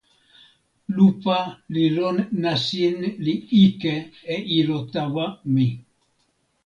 lupa li lon nasin li ike e ilo tawa mi.